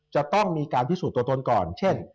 จะต้องมีการพิสูจน์ตัวตนก่อนเช่น